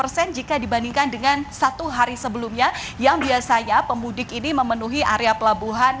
angka ini naik hampir empat puluh jika dibandingkan dengan satu hari sebelumnya yang biasanya pemudik ini memenuhi area pelabuhan